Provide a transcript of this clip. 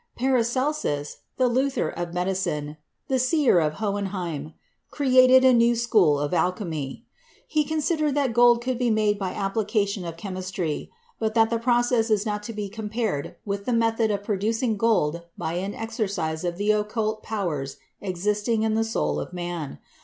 Paracelsus, the "Luther of Medicine," the "seer of Hohenheim," created a new school of alchemy. He con sidered that gold could be made by application of chemis try, but that the process is not to be compared with the method of producing gold by an exercise of the occult powers existing in the soul of man.